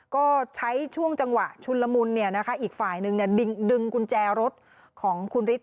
ก็ใช้ช่วงจังหวะชุนละมุนเนี่ยนะคะอีกฝ่ายหนึ่งเนี่ยดึงกุญแจรถของคุณฤทธิ์